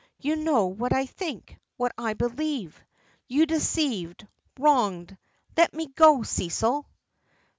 You know what I think, what I believe. You deceived wronged Let me go, Cecil!"